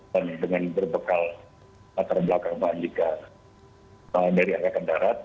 dan dengan berbekal atur belakang pak andika dari angka kendaraan